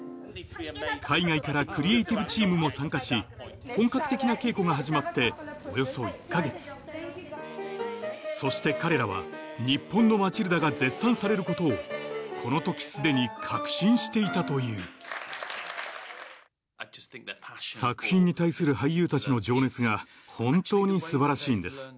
海外からクリエイティブチームも参加し本格的な稽古が始まっておよそ１か月そして彼らは日本の『マチルダ』が絶賛されることをこの時すでに確信していたという作品に対する俳優たちの情熱が本当に素晴らしいんです。